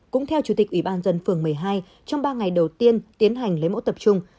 cũng theo chủ tịch ủy ban dân phường một mươi hai trong ba ngày đầu tiên tiến hành lấy mẫu tập trung